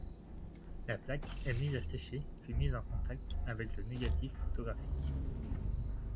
La plaque est mise à sécher puis mise en contact avec le négatif photographique.